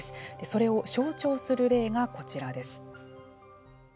それを象徴する例がこちらです。